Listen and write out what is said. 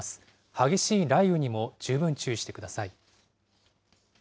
激しい雷雨にも十分注意してください。